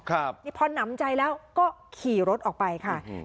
ครับนี่พอหนำใจแล้วก็ขี่รถออกไปค่ะอืม